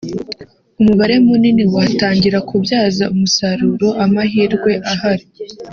umubare munini watangira kubyaza umusaruro amahirwe ahari